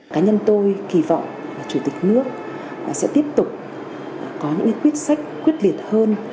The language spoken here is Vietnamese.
cá nhân tôi kỳ vọng là chủ tịch nước sẽ tiếp tục có những quyết sách quyết liệt hơn